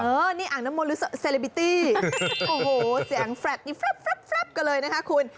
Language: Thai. เออนี่อ่างนมลหรือเซลบิตี้โอ้โหเสียงแฟล็ดแฟล็ดก็เลยนะคะคุณ